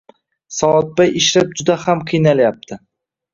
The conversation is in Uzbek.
Soatbay ishlab juda ham qiynalayabdi.